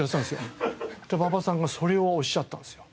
馬場さんがそれをおっしゃったんですよ。